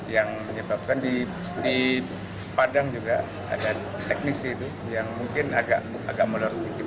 yang menyebabkan di padang juga ada teknisi itu yang mungkin agak melurus sedikit